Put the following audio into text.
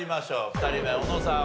２人目小野さん